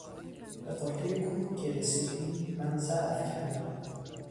به قله کوه که رسیدیم من ضعف کردم.